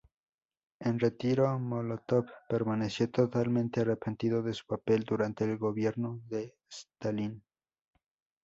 En retiro, Mólotov permaneció totalmente arrepentido de su papel durante el gobierno de Stalin.